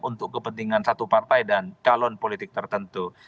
untuk kepentingan satu partai dan calon politik tertentu